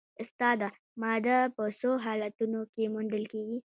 استاده ماده په څو حالتونو کې موندل کیږي